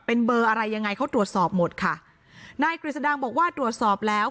เป็นเบอร์อะไรยังไงเขาตรวจสอบหมดค่ะนายกฤษดังบอกว่าตรวจสอบแล้ว